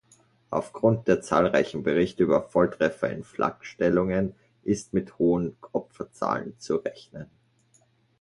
Aufgrund der zahlreichen Berichte über Volltreffer in Flakstellungen ist mit hohen Opferzahlen zu rechnen.